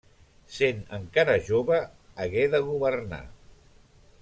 Sent encara jove, hagué de governar.